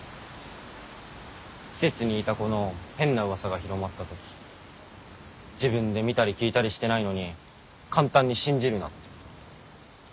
施設にいた子の変な噂が広まった時自分で見たり聞いたりしてないのに簡単に信じるなって。